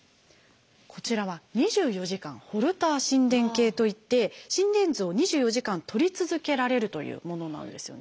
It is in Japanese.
こちらは「２４時間ホルター心電計」といって心電図を２４時間とり続けられるというものなんですよね。